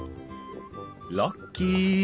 ラッキー。